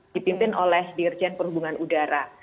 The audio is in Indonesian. dipimpin oleh dirjen perhubungan udara